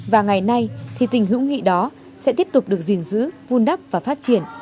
và ngày nay thì tình hữu nghị đó sẽ tiếp tục được gìn giữ vun đắp và phát triển